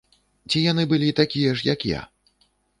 Ці яны былі такія ж, як я?